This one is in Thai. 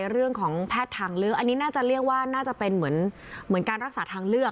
เรื่องของแพทย์ทางเลือกอันนี้น่าจะเรียกว่าน่าจะเป็นเหมือนการรักษาทางเลือก